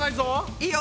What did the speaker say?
いいよ